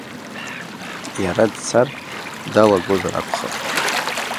Иара дцар, далагозар акәхап…